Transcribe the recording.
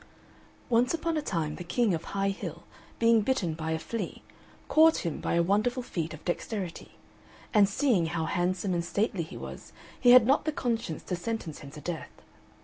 Once upon a time the King of High Hill being bitten by a flea caught him by a wonderful feat of dexterity; and seeing how handsome and stately he was he had not the conscience to sentence him to death.